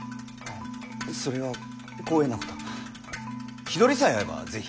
それは光栄なこと日取りさえ合えば是非。